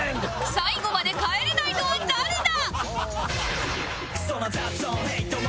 最後まで帰れないのは誰だ？